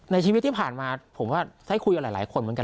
ในชีวิตที่ผ่านมาผมว่าได้คุยกับหลายคนเหมือนกัน